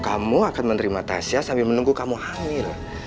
kamu akan menerima tasya sambil menunggu kamu hamil